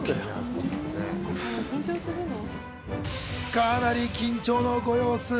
かなり緊張のご様子。